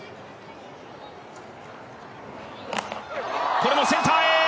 これもセンターへ！